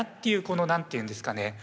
この何て言うんですかね